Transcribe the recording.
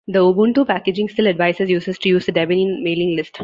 The Ubuntu packaging still advises users to use the Debian mailing-list.